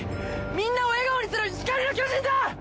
みんなを笑顔にする光の巨人だ！